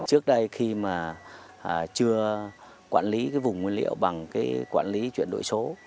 trước đây khi mà chưa quản lý cái vùng nguyên liệu bằng cái quản lý chuyển đổi số